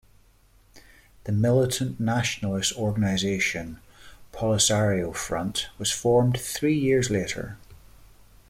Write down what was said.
The militant nationalist organization Polisario Front was formed three years later.